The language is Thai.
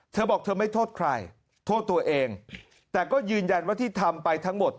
เธอบอกเธอไม่โทษใครโทษตัวเองแต่ก็ยืนยันว่าที่ทำไปทั้งหมด